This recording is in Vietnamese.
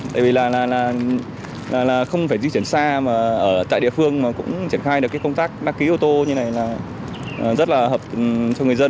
tại vì là không phải di chuyển xa mà ở tại địa phương mà cũng triển khai được cái công tác đăng ký ô tô như này là rất là hợp cho người dân